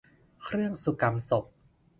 เครื่องสุกำศพ